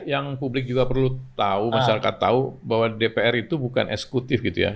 yang publik juga perlu tahu masyarakat tahu bahwa dpr itu bukan eksekutif gitu ya